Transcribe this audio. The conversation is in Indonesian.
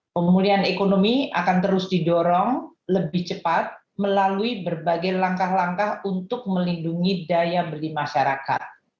pemulihan ekonomi akan terus didorong lebih cepat melalui berbagai langkah langkah untuk melindungi daya beli masyarakat